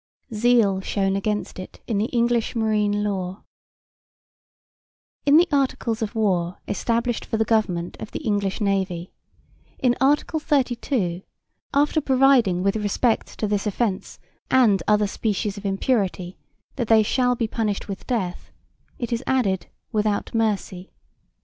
Zeal shewn against it in the English Marine Law In the Articles of War established for the government of the English Navy, in Art. 32, after providing with respect to this offence and other species of impurity that they "shall be punished with death" it is added without mercy.